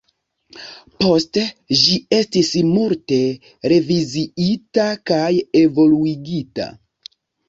Poste, ĝi estis multe reviziita kaj evoluigita.